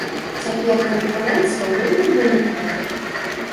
Цяпер канкурэнцыя вельмі вялікая.